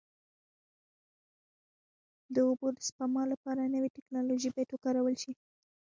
د اوبو د سپما لپاره نوې ټکنالوژي باید وکارول شي.